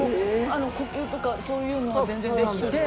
呼吸とかそういうのは全然できて。